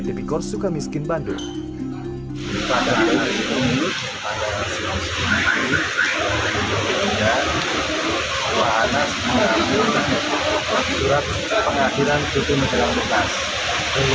tv cor sukamiskin bandung pada hari ini pada hari ini